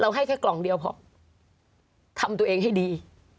ให้แค่กล่องเดียวเพราะทำตัวเองให้ดี